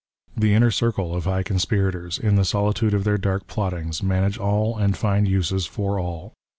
The Inner Circle of high conspirators, in the solitude of their dark plottings, manage all and find uses for all.